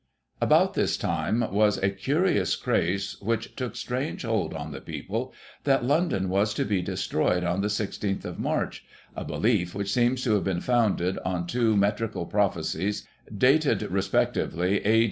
About this time was a curious craze, which took strange hold on the people, that London was to be destroyed on the 1 6th of March, a belief which seems to have been founded on two metrical prophecies, dated respectively A.